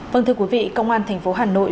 vâng thưa quý vị công an thành phố hà nội